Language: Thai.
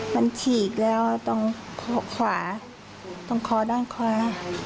มันฉีกแล้วตรงขวาตรงคอด้านขวา